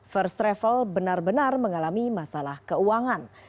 first travel benar benar mengalami masalah keuangan